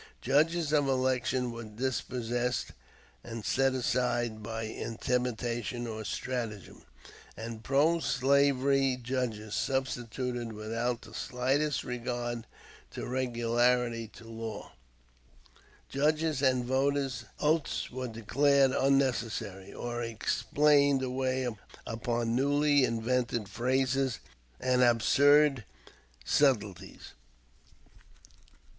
Judges of election were dispossessed and set aside by intimidation or stratagem, and pro slavery judges substituted without the slightest regard to regularity or law; judges' and voters' oaths were declared unnecessary, or explained away upon newly invented phrases and absurd subtleties.